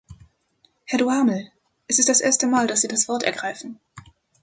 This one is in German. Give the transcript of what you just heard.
Herr Duhamel, es ist das erste Mal, dass Sie das Wort ergreifen.